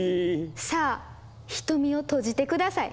さあ瞳を閉じて下さい。